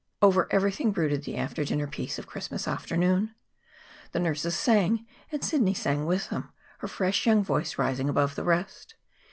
Over everything brooded the after dinner peace of Christmas afternoon. The nurses sang, and Sidney sang with them, her fresh young voice rising above the rest.